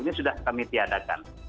ini sudah kami tiadakan